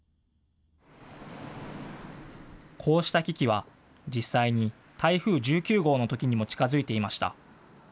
こうした危機は実際に台風１９号のときにも近づいていました。